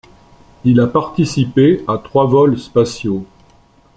Il a participé à trois vols spatiaux.